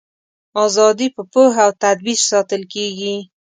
ازادي په پوهه او تدبیر ساتل کیږي.